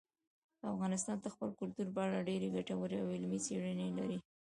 افغانستان د خپل کلتور په اړه ډېرې ګټورې او علمي څېړنې لري.